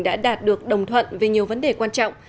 đã đạt được đồng thuận về nhiều vấn đề quan trọng